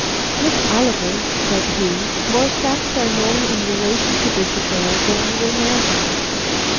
"Miss Oliver," said he, "more facts are known in relation to this affair than you imagine.